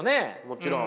もちろん。